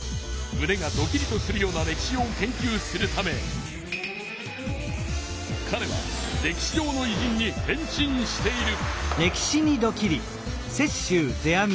むねがドキリとするような歴史を研究するためかれは歴史上のいじんに変身している。